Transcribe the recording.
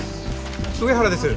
上原です。